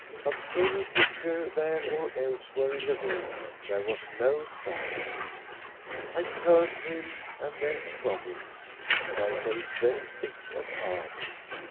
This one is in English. Of any picture, there or elsewhere in the room, there was no sign. I turned to him and then from him, and I felt very sick at heart.